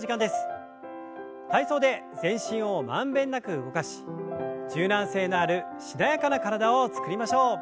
体操で全身を満遍なく動かし柔軟性のあるしなやかな体を作りましょう。